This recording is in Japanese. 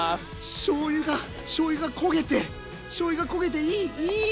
しょうゆがしょうゆが焦げてしょうゆが焦げていいいいあっ！